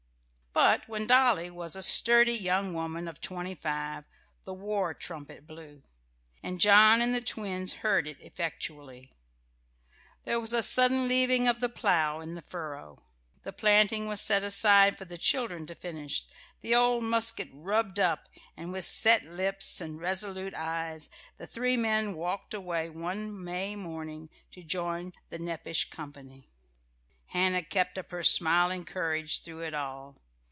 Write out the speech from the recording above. But when Dolly was a sturdy young woman of twenty five the war trumpet blew, and John and the twins heard it effectually. There was a sudden leaving of the plow in the furrow. The planting was set aside for the children to finish, the old musket rubbed up, and with set lips and resolute eyes the three men walked away one May morning to join the Nepash company. Hannah kept up her smiling courage through it all.